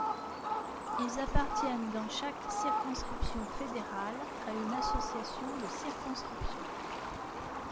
Ils appartiennent dans chaque circonscription fédérale à une association de circonscription.